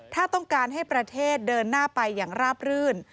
ถ้าต้องการให้ประเทศเดินหน้าไปอย่างราบรื่น